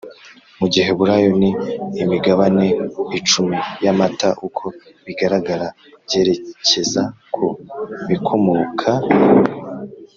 Mu giheburayo ni imigabane icumi y amata Uko bigaragara byerekeza ku bikomoka ku